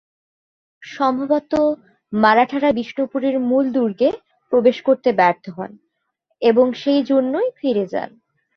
সম্ভবত, মারাঠারা বিষ্ণুপুরের মূল দুর্গে প্রবেশ করতে ব্যর্থ হন এবং সেই জন্যই ফিরে যান।